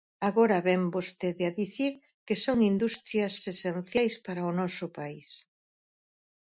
Agora vén vostede a dicir que son industrias esenciais para o noso país.